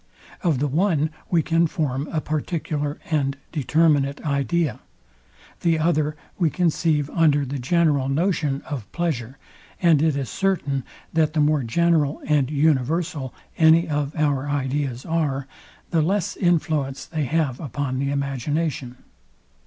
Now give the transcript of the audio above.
Of the one we can form a particular and determinate idea: The other we conceive under the general notion of pleasure; and it is certain, that the more general and universal any of our ideas are, the less influence they have upon the imagination.